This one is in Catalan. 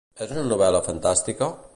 És una novel·la fantàstica?